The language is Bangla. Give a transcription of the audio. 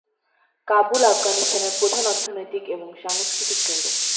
কাবুল আফগানিস্তানের প্রধান অর্থনৈতিক ও সাংস্কৃতিক কেন্দ্র।